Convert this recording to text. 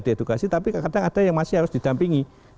diedukasi tapi kadang ada yang masih harus didampingi